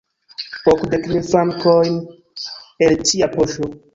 Okdek mil frankojn el cia poŝo!